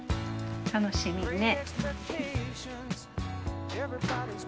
楽しみね。